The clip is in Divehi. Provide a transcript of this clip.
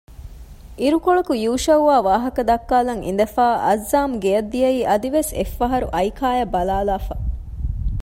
އިރުކޮޅަކު ޔޫޝައުއާ ވާހަކަދައްކާލަން އިނދެފައި އައްޒާމް ގެއަށް ދިޔައީ އަދިވެސް އެއްފަހަރު އައިކާއަށް ބަލާލާފަ